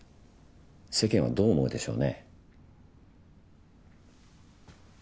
世間はどう思うでしょうね。